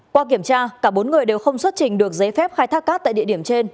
qua kiểm tra cả bốn người đều không xuất trình được giấy phép khai thác cát tại địa điểm trên